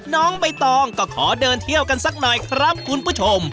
น้องใบตองก็ขอเดินเที่ยวกันสักหน่อยครับคุณผู้ชม